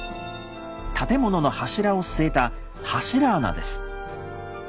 建物の柱を据えた「柱穴」です。